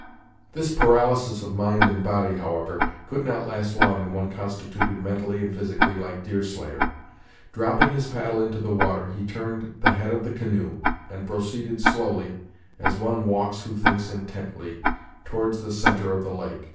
This paralysis of mind and body, however, could not last long in one constituted mentally and physically like Deerslayer. Dropping his paddle into the water, he turned the head of the canoe, and proceeded slowly, as one walks who thinks intently, towards the centre of the lake.